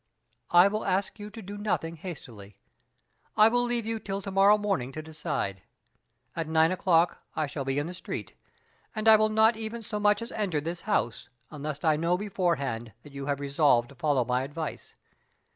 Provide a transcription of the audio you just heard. "I will ask you to do nothing hastily. I will leave you till to morrow morning to decide. At nine o'clock I shall be in the street; and I will not even so much as enter this house, unless I know beforehand that you have resolved to follow my advice.